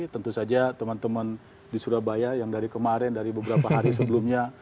tentu saja teman teman di surabaya yang dari kemarin dari beberapa hari sebelumnya